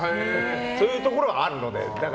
そういうところはあるので。